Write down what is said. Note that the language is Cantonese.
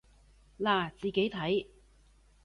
嗱，自己睇